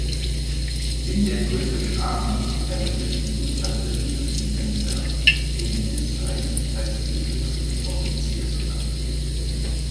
In der British Army verwendeten Infanterieregimenter den "Ensign" als niedrigsten Offiziersrang.